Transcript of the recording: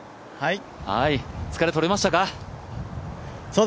疲れとれましたか？